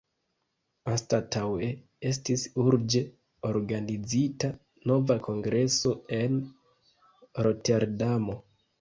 Anstataŭe estis urĝe organizita nova kongreso en Roterdamo.